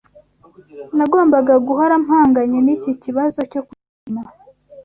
nagombaga guhora mpanganye n’iki kibazo cyo kurya inyama